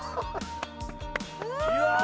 うわ！